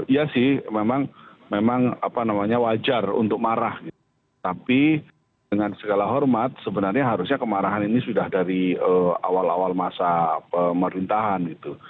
iya sih memang apa namanya wajar untuk marah tapi dengan segala hormat sebenarnya harusnya kemarahan ini sudah dari awal awal masa pemerintahan gitu